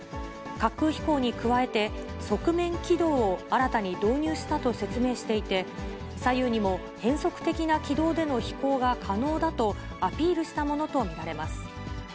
滑空飛行に加えて、側面機動を新たに導入したと説明していて、左右にも変則的な軌道での飛行が可能だと、アピールしたものと見られます。